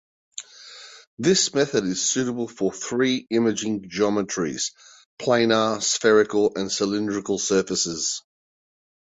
This method is suitable for three imaging geometries: planar, spherical, and cylindrical surfaces.